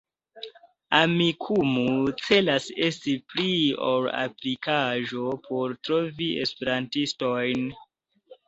Amikumu celas esti pli ol aplikaĵo por trovi Esperantistojn.